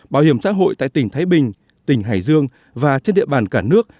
bảo hiểm xã hội tại tỉnh thái bình tỉnh hải dương và trên địa bàn cả nước